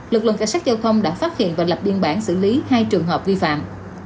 lực lượng cảnh sát giao thông đã phát hiện và lập biên bản xử lý hai trường hợp vi phạm